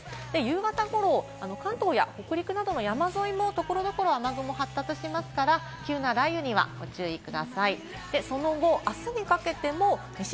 夕方ごろ、関東や北陸などの山沿いも所々雨雲が発達しますから、急な雷雨にはご注意ください。